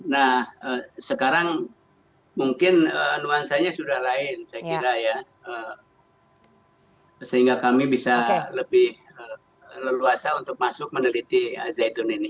nah sekarang mungkin nuansanya sudah lain saya kira ya sehingga kami bisa lebih leluasa untuk masuk meneliti al zaitun ini